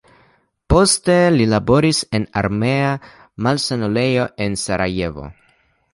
Poste li laboris en armea malsanulejo en Sarajevo.